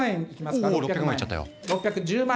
おお６００万いっちゃったよ。